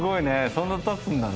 そんなたつんだね。